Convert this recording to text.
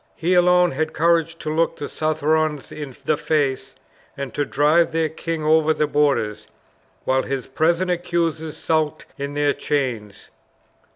He alone had courage to look the Southrons in the face, and to drive their king over the borders, while his present accusers skulked in their chains!"